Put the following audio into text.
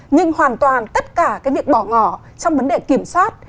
nhưng hoàn toàn tất cả cái việc bỏ ngỏ trong vấn đề kiểm soát